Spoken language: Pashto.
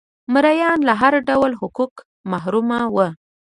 مریان له هر ډول حقونو محروم وو